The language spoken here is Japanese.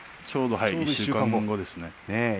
ちょうど１週間後ですね。